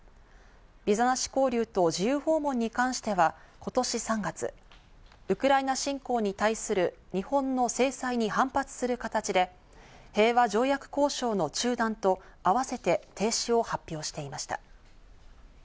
ビザなし交流と自由訪問に関しては今年３月、ウクライナ侵攻に対する日本の制裁に反発する形で平和条約交渉の中断と合わせて停止を発表していました。